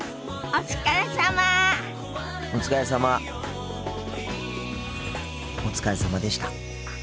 お疲れさまでした。